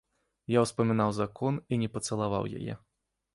Я ўспамінаў закон і не пацалаваў яе.